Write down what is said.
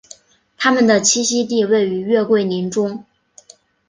它们的栖息地位于月桂林中。